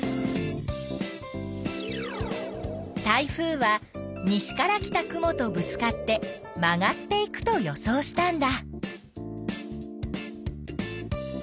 台風は西から来た雲とぶつかって曲がっていくと予想したんだ。